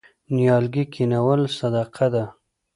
نیالګي کینول صدقه ده.